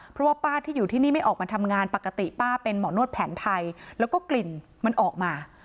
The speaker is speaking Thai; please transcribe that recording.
เพราะว่าป้าที่อยู่ที่นี่ไม่ออกมาทำงานปกติป้าเป็นหมอนวดแผนไทยแล้วก็กลิ่นมันออกมา